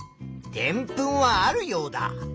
でんぷんはあるヨウダ。